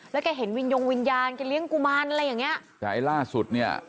แล้วแกเห็นวิญญงวิญญาณแกเลี้ยงกุมารอะไรอย่างเงี้ยแต่ไอ้ล่าสุดเนี้ย